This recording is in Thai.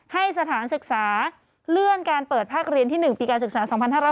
ให้สถานศึกษาเลื่อนการเปิดภาคเรียนที่๑ปีการศึกษา๒๕๖๒